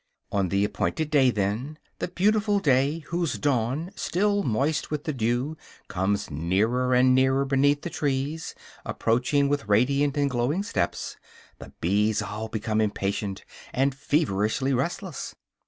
On the appointed day then, the beautiful day, whose dawn, still moist with the dew, comes nearer and nearer beneath the trees, approaching with radiant and glowing steps, the bees all become impatient, and feverishly restless.